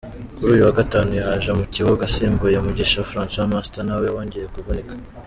Kuri uyu wa Gatanu yaje mu kibuga asimbuye Mugisha Francois Master nawe wongeye kuvunika.